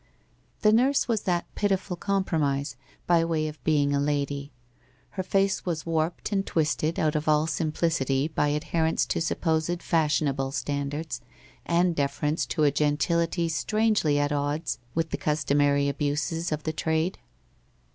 The nurse was that pitiful compromise, by way of being a lady. Her face was warped and twisted out of all sim plicity by adherence to supposed fashionable standards, and deference to a gentility strangely at odds with the customary abuses of the trade.